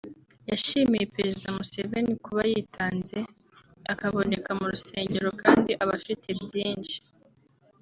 yashimiye perezida Museveni kuba yitanze akaboneka mu rusengero kandi aba afite byinshi